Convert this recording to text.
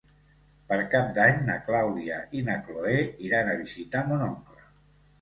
Per Cap d'Any na Clàudia i na Cloè iran a visitar mon oncle.